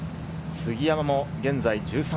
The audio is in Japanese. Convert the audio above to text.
杉山も現在−１３。